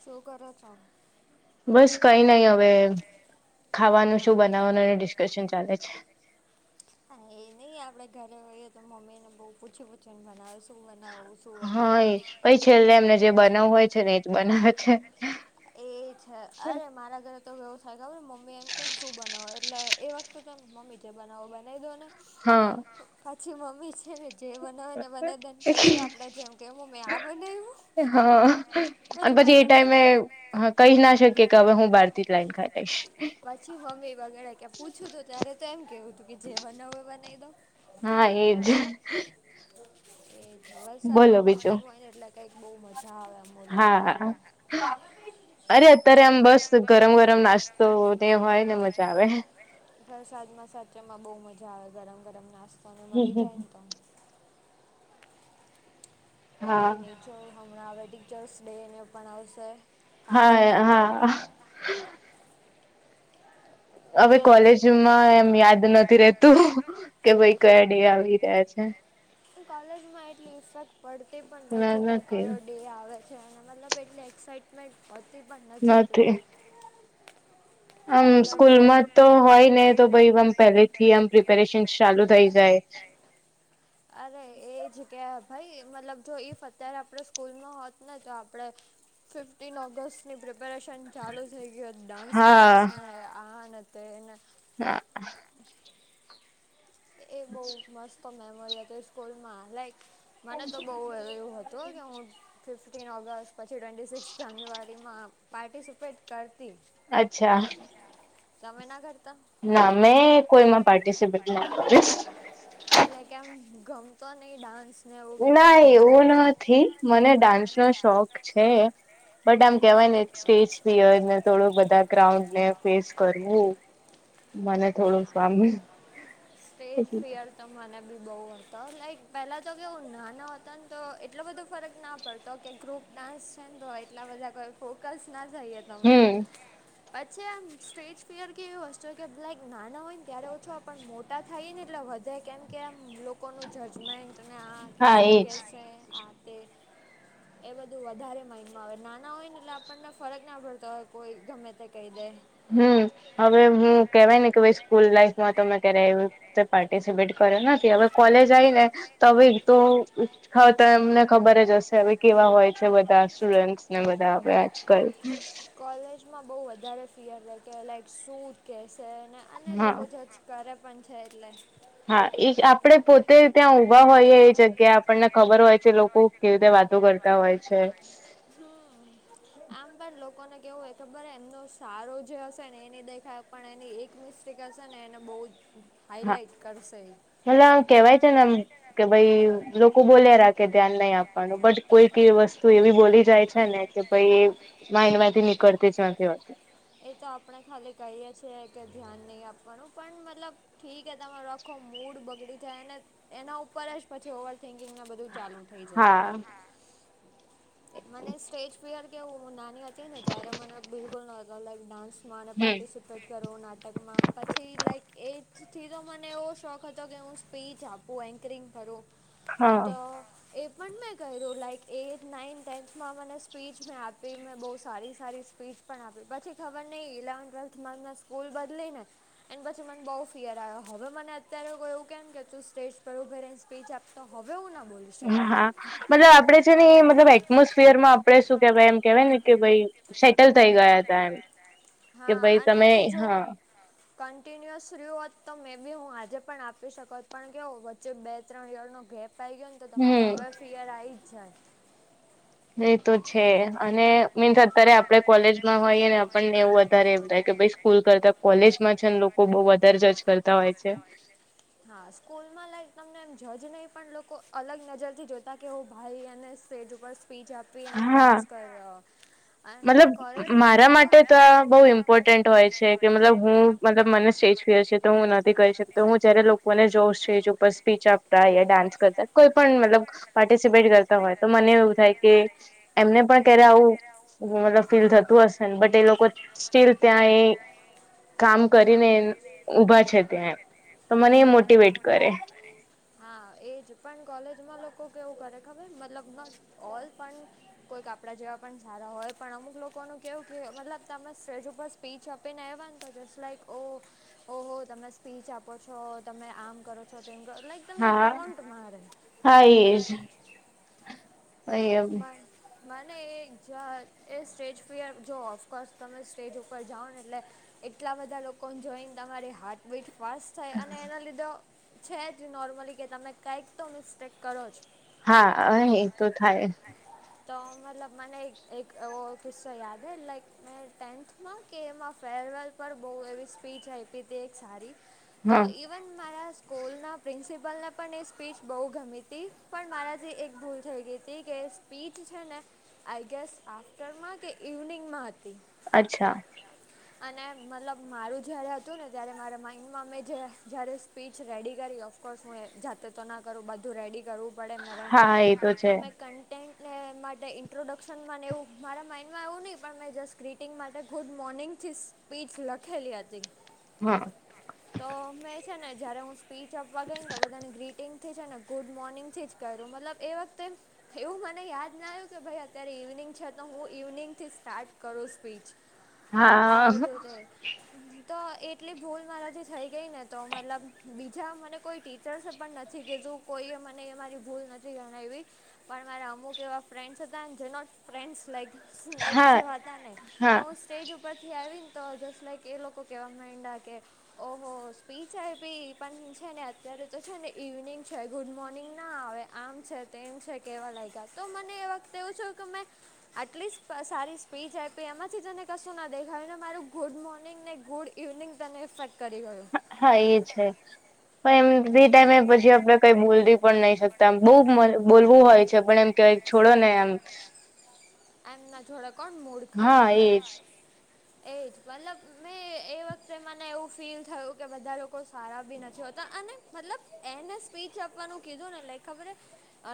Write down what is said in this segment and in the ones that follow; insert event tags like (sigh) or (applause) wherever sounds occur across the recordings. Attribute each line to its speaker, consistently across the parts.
Speaker 1: શું કરો છો
Speaker 2: બસ કઈ નઈ હવે ખાવાનું શું બનાવાનું એને ડિસ્કશન ચાલે છે
Speaker 1: હા એ નય આપડે ઘરે હોઈએ તો મમ્મી ને બહુ પૂછી પૂછીને બનાવે શું બનાવું
Speaker 2: હા એ પઈ છેલ્લે એમને જે બનાવું હોય છે ને એ જ બનાવે છે
Speaker 1: એ છે અરે મારા ઘરે તો એવું થાય ખબર મમ્મી એમ કે શું બનવું એટલે એ વતે મમ્મી જે બનાવો બનાવી દે ને
Speaker 2: હમ્મ
Speaker 1: પછી મમ્મી છે ને જે બનાવે ને બનાઇ દે પછી આપડે કે મે આ બનાવ્યું
Speaker 2: હા અન પછી એ ટાઈમે હ કહી ના શકીએ કે હવે હું બાર થી લઈને જ ખાઈ લઈશ
Speaker 1: પછી મમ્મી બગડે કે પૂછ્યું હતું ત્યારે તો એમ કીધું હતું કે જે બનાવું એ બનાવી દો
Speaker 2: હા એજ
Speaker 1: એ વરસાદ નું મોસમ હોય ને એટલે કઈક બહુ મજા આવે એમ.
Speaker 2: હા. અરે અત્યારે આમ બસ ગરમ ગરમ નાસ્તો ને હોય ને મજા આવે.
Speaker 1: વરસાદ માં સાચેમાં બહુ મજા આવે ગરમ ગરમ નાસ્તો અને મળી જાય ને તો. કાઈ ની જો હમણાં હવે ટીચર્સ ડે ને પણ આવશે.
Speaker 2: હા એ હા. હવે કોલેજમાં એમ યાદ નથી રેતું કે ભાઈ કયા ડે આવી રહ્યા છે.
Speaker 1: કે કોલેજમાં એટલી ઇફેક્ટ પડતી પણ નથી કે કયો ડે આવે. છેને મતલબ એટલી એક્સાાઈટમેન્ટ હોતી પણ નથી એટલે. બાય થઈ વે, સ્કૂલમાં હોય ને પહેલેથી પહેલેથી આમ પ્રિપરેશન ચાલુ થઈ જાય. (inaudible) અરે એજ કે ભાઈ મતલબ જો ઈફ અત્યારે આપણે સ્કૂલમાં હોત ને તો આપણેે ફિફ્ટીન ઓગસ્ટની પ્રિપરેશન ચાલુ થઈ ગયુ હોત. ક્લાસમાં આન તેન
Speaker 2: હા હા.
Speaker 1: એ બઉ મસ્ત મેમોરી સ્કૂલ માં લાઈક મને તો બઉ એવું હતું. તો (unintelligible) ફિફ્ટીન ઓગસ્ટ પછી ટ્વેન્ટી સિક્સ જાન્યુઆરીમાં પાર્ટિસિપેટ કરતી.
Speaker 2: અચ્છા.
Speaker 1: તમે ના કરતા?
Speaker 2: ના મેં કોઈમાં પાર્ટિસિપેટ ના કરી.
Speaker 1: એટલે કેમ ગમતો નહિ ડાન્સ?
Speaker 2: ના એવું નથી મને ડાન્સ નો શોખ છે. બટ આમ કેવાય ને સ્ટેજ ફિયરને થોડું બધા ક્રાઉન્ડ ને ફેસ કરવું. મને થોડું (unintelligible)
Speaker 1: સ્ટેજ ફીયર તો મને બી બહુ હતો લાઈક પેલા તો કેવું નાના હતા ને તો એટલો બધો ફરક ના પડતો કે ગ્રુપ ડાન્સ છે ને તો એટલા બધા કોઈ ફોકસ ના થઈએ તમે. પછી આમ સ્ટેજ ફીઅર કે એવી વસ્તુ કે લાઈક નાના હોય ને ત્યારે ઓછો હોય પણ મોટા મોટા થઈ ને એટલે વધે કેમ કે આમ લોકોનું જજમેન્ટ ને આ કે શું કે છે આ તે. એ બધું વધારે માઇડમાં આવે નાના હોય ને એટલે આપણને ફરક ના પડતો હોય કોઈ ગમે તે કહી દે.
Speaker 2: હમ્મ હવે હું કેવાય ને કે ભાઈ સ્કૂલ લાઈફમાં તમે ત્યારે એમ તે પાર્ટિસિપેટ કર્યો નથી હવે કોલેજ આવી ને તો હવે તો હા તો એમને ખબર જ હશે હવે કેવા હોય છે બધા સ્ટુડન્ટસ ને બધા હવે આજકાલ.
Speaker 1: કોલેજમાં બહુ વધારે ફિયર થાય કે લાઈક શું કહેશે ને અને લોકો જજ કરે પણ છે એટલ.
Speaker 2: હા એ આપડે પોતે ત્યાં ઊભા હોઈએ એ જગ્યા આપણને ખબર હોય છે લોકો કેવી રીતે વાત કરતા હોય છે.
Speaker 1: હા. આમ પણ લોકોને કેવું હોય ખબર હે એમનો સારો જે હશે ને એની દેખાય પણ એની એક મિસ્ટેક હશે ને એને બહુ જ હાઈલાઈટ કરશે.
Speaker 2: અલ્યા કેવાય છે ને આમ કે ભાઈ લોકો બોલ્યા રાખે ધ્યાન નહી આપવાનું બટ કોઈ વસ્તુ એવી બોલી જાય છે ને કે પહિ માઇડમાંથી નીળતી જ નથી હોતી.
Speaker 1: એ તો આપણે ખાલી કહીએ છીએ કે ધ્યાન નહી આપવાનું પણ મતલબ ઠીક એ તમે રખો મૂડ બગડી જાય અને એના ઉપરજ પછી ઓવર થિંકિંગને બધું ચાલુ
Speaker 2: હા.
Speaker 1: મને સ્ટેજ પિહર કેવું નાની હતી ને ત્યારે મને બિલકુલ નોર્મલ લુક ડાન્સ મને પાર્ટી પાર્ટીસીપેટ કરું નાટકમાં પછી લાઈક એથી તો મને એવો શોખ હતો કે હું સ્પીચ આપું એન્કરિંગ કરો તો એ પણ મે કર્યો લાઈક એઈટ નાઇન્થ. ટેન્થમાં મને સ્પીચ મેં આપી મેં બહુ સારી સારી સ્પીચ પણ આપી પછી ખબર નહીં ઇલેવન્ન ટ્વેલ્થ મા મેં સ્કૂલ બદલી ને. એની પછી મને બહુ ફિયર આવ્યો. હવે મને અત્યારે કોઈ એવું કેમ કે તું સ્ટેજ પર ઉભે રન્સ સ્પીચ આપ તો હવે હું ના બોલું.
Speaker 2: હા મતલબ આપડે છે ને એ મતલબ મોસફિયર માં આપણેે કેવા એમ ને કે ભાઈ સેટલ થઈ ગયા હતા એમ. કે ભાઈ તમે હા.
Speaker 1: કન્ટિન્યુઅસ રીયું હોત તો મે બી હું આજે પણ આપી શકત પણ કેવું વચ્ચે બે ત્રણ ઈયર નો ગેપ આવી ગયો ને તો તમારે હવે ફિયર આઇજ જાય.
Speaker 2: એ તો છે અને મીન્સ અત્યારે આપડે કોલેજમાં હોઈએ ને આપણને એવું વધારે એ થાય કે ભાઈ. સ્કૂલ કરતા કોલેજમાં છે લોકો બો વધારે જજ કરતા હોય છે.
Speaker 1: હા, સ્કૂલમાં લાઈક તમને એમ જજ નહી પણ લોકો અલગ નજરથી જોતા કે ઓ ભાઈ એને સ્ટેજ ઉપર સ્પીચ આપી અને ડાન્સ કરીયો.
Speaker 2: મતલબ મારા માટે તો આ બહુ ઇમ્પોર્ટન્ટ હોય છે કે મતલબ હું મતલબ મને સ્ટેજ ફિયર છે તો હું નથી કરી શકતો હું જયારે લોકોને જોઉં સ્ટેજ ઉપર સ્પીચ આપ ડાન્સ કરતા કોઈ પણ મલ પાર્ટિસિપેટ કરતા હોય તો મને એવું થાય કે, એમને પણ ક્યારે આવું. મતલબ ફીલ થતું હશે ને બટ એ લોકો સ્ટીલ ત્યાં એ કામ કરીને ઊભા છે ત્યાં તો મને એ મોટવેટ કરે.
Speaker 1: હા, એજ પણ કોલેજમાં લોકો કેવું કરે ખબર મતલબમા ઓલ પણ. કોઈક આપડા જેવા પણ સારા હોય પણ અમુક લોકોનું કેવું કે મતલબ તમે સ્ટેજ ઉપર સ્પીચ આપું પેન આવ્યા ને તો જસ્ટ લાઈક ઓ ઓહ હો તમે સ્પીચ આપો છો, તમે આમ કરો છો, તેમ કરો છો, લાઈક તમને ટોન્ટ મારે માઈ મને એ જ એ સ્ટેજ ફિયર જો ઓફકોર્સ તમે સ્ટેજ ઉપર જાઓ ને એટલે. એટલા બધા લોકોને જોઈને તમારે હાર્ટબીટ ફાસ્ટ અને એના લીધે છે જ નોર્મલી કે તમે કંઈક તો મિસ્ટેક કરો જ.
Speaker 2: હા, અ એ તો થાય.
Speaker 1: તો મતલબ મને એક એક એવો કિસ્સો યાદ હ લાઈક. મેં ટેન્થમાં કે એમાં ફેરવેલ પર બહુ એવી સ્પીચ આપી હતી એક સારી. તો એ ઇવન મારા સ્કૂલના પ્રિન્સિપલને પણ એ સ્પીચ બહુ ગમી હતી પણ મારાથી એક ભૂલ થઈ ગઈ હતી કે સ્પીચ છેને આઈ ગેસ આફ્ટરમાં કે ઇવનિંગમાં હતી.
Speaker 2: અચ્છા.
Speaker 1: અચા. અને મતલબ મારું જય્યારે હતું ને ત્યારે મારા માઈન્ડમાં મેં જ્યારે સ્પીચ રેડી કરી (unintelligible) કોર્સ હું જાતે તો ના કરું બધું રેડી કરવું પડે મારે (unintelligible) કન્ટેન્ટને માટે ઇન્ટ્રોડક્શનમાંને એવું મારા માઇન્ડમાં આવવું નહીં પણ મેં જસ્ટ ક્રિટિંગ માટે ગુડ મોર્નિંગથી સ્પીચ લખેલી હતી.
Speaker 2: હા.
Speaker 1: તો મેં છેને જયારે સ્પીચ આપવા ગઈ નેતો બધાની ગીટીન્ગ... થી છેને ગુડ મોર્નિંગથી જ કર્યું મતલબ એ વખતે.. એવું મને યાદના આવ્યું કે ભાઈ અત્યારે ઇવનિંગ છે તો હું ઇવનિંગથી સ્ટાર્ટ કરું સ્પવીચ. આ બધું તે. તો એટલી ભૂલ મારાથી થઈ ગઈ ને તો મતલબ બીજા મને કોઈ ડી... ચાલશે પણ નથી કીધું કોઈએ મને મારી ભૂલ નથી ગણાઈવી. પણ મારા અમુક એવા ફ્રેન્ડ્સ હતાને જેનોટ ફ્રેન્ડ્સ લાઈઇક સ્નેક જેવા હતા ને તો સ્ટેજ ઉપરથી આયવીને તો જસ્ટ લાઈક એ લોકો કેવા માંડા કે ઓહો, સ્પીચ આયપી પણ છેને અત્યારે તો છેને ઇવનિંગ છે ગુડ મોર્નિંગ ના આવે આમ છે તેમ છે કેવા લાગ્યા તો મને એ વખતે એવું છે કે મે આટલી સારી સ્પીચ આપી એમાંથી તને કશું ના દેખાય ને મારું ગુડ મોર્નિંગને ગુડ ઇવનિંગ તને ઇફેક્ટ કરી ગયું.
Speaker 2: હા એ છે. પણ એમ ફ્રી ટાઈમે પછી આપડે કઈ બોલવી પણ નહી શકતામ બઉુ બોલવું હોય છે. પણ એમ કેવાય છોડો એમ
Speaker 1: એમના જોડે કોણ મૂડ ખરાબ કરે. એ જ મતલબ મેં એ વખતે મને એવું ફીલ થયું કે બધા લોકો સારાબી નથી હો ત અને મતલબ એને સ્પીચ આપવાનું કીધુંને લક ખબર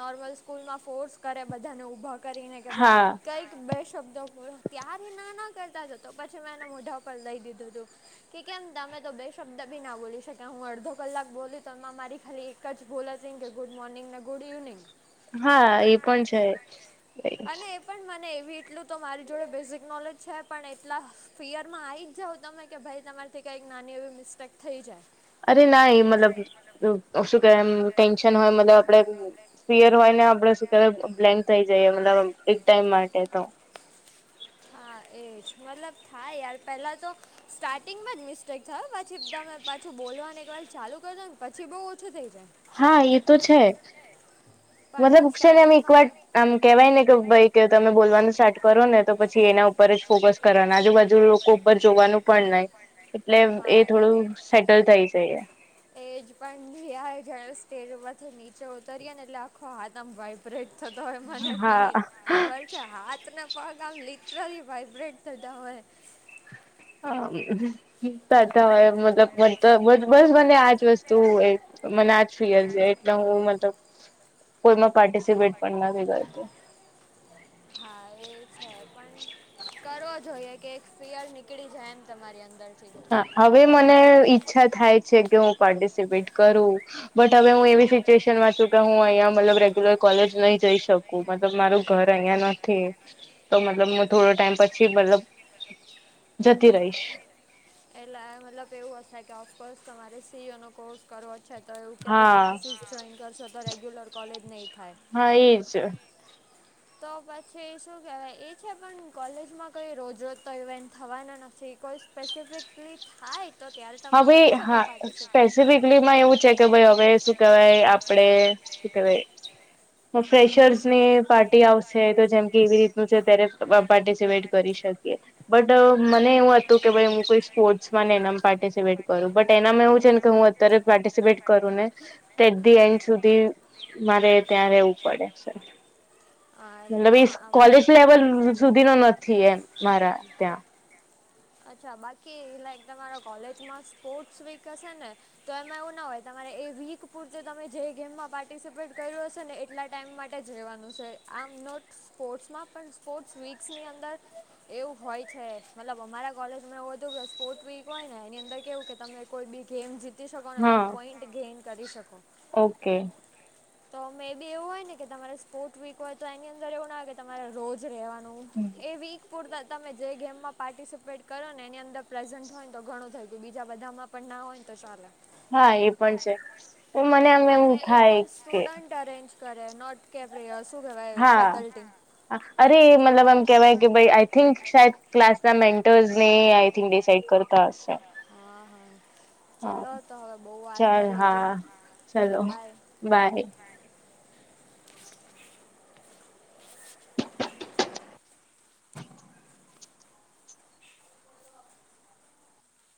Speaker 1: નોર્મલ સ્કૂલમાં કરે બધાને કરીને કે ભાઈ કઈક બે શબ્દો બોલો ત્યારે ના ના કરતા જ તો પછી મેં એને મોઢા પર લઈ દીધું તું કે કેમ તમે તો બે શબ્દ બી ના બોલી શક્યા હું અડધો કલાક બોલી તો એમાં અમારી ખાલી કચ બોલેથીગ ગુડ મોર્નિંગને ગુડ ઈવનઇનગ.
Speaker 2: હા, એ પણ છે.
Speaker 1: પણ મને એવી એટલું તો મારી જોડે બેઝિક નોલેજ છે પણ એટલા ફિયરમાં આવી જ જાવ તમે કે ભાઈ તમારીથી કઈક નાની એવી મિસ્ટેક થઈ જાય.
Speaker 2: અરે ના એ મતલબ શું કે એમ ટેન્શન હોય મતલબ આપડે ફિયર હોયને આપડે શું ક બ્લેન્ક થઈ જઈએ મલબ એક ટાઈમ માટે તો.
Speaker 1: હા, એજ મતલબ થાય યાર પેલા તો સ્ટાર્ટિંગમાં જ મિસ્ટેક થ પછી તમે પાછું બોલવાની એક વાર ચાલુ કરજો ને પછી બહુ ઓછું થઈ જાય.
Speaker 2: હા, ઈ તો છે. મતલબ ઉશેને એમ એક વાર આમ કેવાય ને કે ભાઈ કે તમે બોલવાનું સ્ટાર્ટ કરો ને તો પછી એના ઉપર ઉપર જ ફોકસ કરવાના આજુબાજુ લોકો ઉપર જોવાનું પણ નહી એટલે એ થોડું સેટલ થઈ
Speaker 1: (inaudible) એજ પણ (unintelligible) સ્ટેજ ઉપર થી નીચે ઉતરીએ ને એટલે આખો હાથ આમ ભાઈ ઓપરેટ થતો હોય મને પીર ખબર છે હાથ ને પ્રગામ લિટરલી વઇબ્રેટ થતા હોય.
Speaker 2: હ, થતા હોય મતલબ મ બસ મને આજ વસ્તુ મને આજ ફિયર છે એક ત હું મતલબ કોઈમાં પાર્ટિસિપેટ પણ નથી કરતી.
Speaker 1: હા એ છે પણ કરવો જોઈએ એકસ્પિયર નીકળી જાય એમ તમારી અંદરથી.
Speaker 2: હા, હવે મને ઈચ્છા થાય છેકે હું પાર્ટિસિપેટ કરું બટ હવે હું એવી સિચ્યુએશન માં છું કે હું અહીંયા મતલબ રેગ્યુલર કોલેજ નહી જઈ શકું મતલબ મારું ઘર અહંયા નથી, તો મતલબ હું થોડો ટાઈમ પછી મતલબ જતી રહીશ.
Speaker 1: એટલા મતલબ એવું હશે કે ઓફકોર્સ તમારે સી ઓ નો કોર્સ કરવો છે. તો એવું કે ભાઈ ક્લાસીસ જોઈન કરશો તો રેગ્યુલર કોલેજ નહીં થાય.
Speaker 2: હા એજ.
Speaker 1: તો પછી શું કહેવાય એ છે પણ કોલેજમાં કંઈ રોજરોજ તો ઇવેન્ટ થવાના નથી કોઈ સ્પેસિફિકલી થાય તો
Speaker 2: હવે હા સ્પેસિફિકલીમાં એવું છે કે ભાઈ હવે શું કેહેવાય આપડે શું કેવાય ફેશર્સ ની પાર્ટી આવશે તો જેમ કે એવી રીતનું છે ત્યારે પાર્ટિસિપેટ કરી શકીએ. બટ મને એવું હતું કે ભાઈ હું કોઈ સ્પોર્ટ્સ મેન એનામ પાર્ટીસીપેટ કરું બટ એનામાં એવું છેને કે હું અત્યારે પાર્ટિસિપેટ કરું ને કે ધી એન્ડ સુધી મારે ત્યાં રહેવું પડે છે. એ કોલેજ લેવલ સુધીનું નથી એમ મારા ત્યાં.
Speaker 1: અચ્છા બાકી લાઈક તમારા કોલેજમાં સ્પોર્ટ્સ વીક હશે ને? તો એમાં એવું હોય તમારે એ વીક પૂરતે તમે જે ગેમમાં પાર્ટિસિપેટ કર્યું હશે ને એટલા ટાઈમ માટે લેવાનું જ છે આમ નોટ સ્પોર્ટ્માં પણ સ્પોર્ટ વીક્સની અંદર એવું હોય છે મતલબ અમારા કોલેજમાં હતું કે સ્પોર્ટ વીક હોય ને એની અંદર કેવું કે તમે કોઈ બી ગેમ જીતી શકો ને તમે પોઈન્ટ ગેઈન કરી શકો.
Speaker 2: ઓકે.
Speaker 1: તો મે બી એવું હોય ને. તમારે સ્પોર્ટ વીક હોય તો એની અંદર એવું ના હોય કે તમારે રોજ રેવાનું એ વીક પૂરતા તમે જે ગેમમાં પાર્ટિસિપેટ કરો ને એની અંદર પ્રેઝન્ટ હોય ને તો ઘણું થય ગયું બીજા બધામાં પણ ના હોય તો ચાલે.
Speaker 2: હા એ પણ છે પણ મને એમ એવું થાય કે
Speaker 1: અરેન્જ કરે નોટ કેપ લે શું કેવા ફેકલ્ટી
Speaker 2: અરે મતલબ આમ કેવાય કે ભાઈ આઈ થિંક શાયદ ક્લાસના મેન્ટર્સને થિંગ ડિસાઇડ કરતા હશે.
Speaker 1: હા હા ચલો તો હવે બહુ વાત કરી લેજો હા બાય.
Speaker 2: બાય. (inaudible)